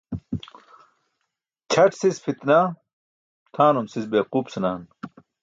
Ćʰať sis pʰitnah, tʰanum sis beequup senaan.